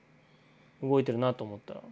動いてるなと思ったら。